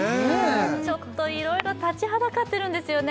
ちょっと色々立ちはだかってるんですよね